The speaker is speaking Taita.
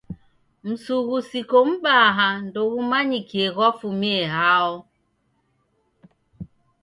Msughusiko m'baa ndoghumanyikie ghwafumie hao.